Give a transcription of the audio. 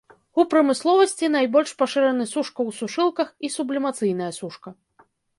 У прамысловасці найбольш пашыраны сушка ў сушылках і сублімацыйная сушка.